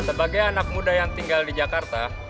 sebagai anak muda yang tinggal di jakarta